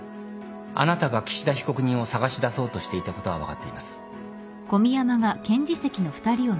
あなたが岸田被告人を捜し出そうとしていたことは分かっています。